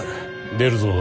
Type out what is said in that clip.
出るぞ。